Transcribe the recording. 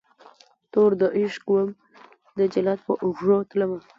توردعشق وم دجلاد په اوږو تلمه